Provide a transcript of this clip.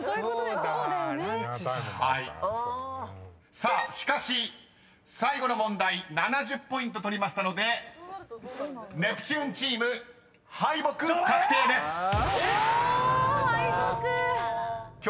［さあしかし最後の問題７０ポイント取りましたのでネプチューンチーム敗北確定です］やられた！